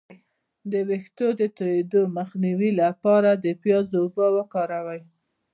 د ویښتو د تویدو مخنیوي لپاره د پیاز اوبه وکاروئ